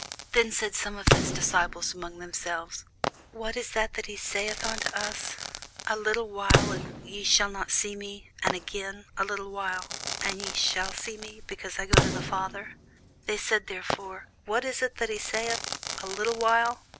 [Sidenote: St. John 17] Then said some of his disciples among themselves, What is this that he saith unto us, A little while, and ye shall not see me: and again, a little while, and ye shall see me, because I go to the Father? They said therefore, What is this that he saith, A little while?